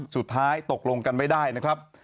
สุดท้ายตกลงกันไม่ได้นะครับ